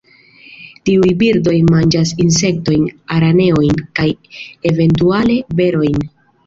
Tiuj birdoj manĝas insektojn, araneojn kaj eventuale berojn.